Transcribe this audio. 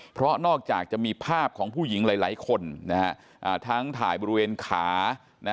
เพราะนอกจากจะมีภาพของผู้หญิงหลายหลายคนนะฮะอ่าทั้งถ่ายบริเวณขานะ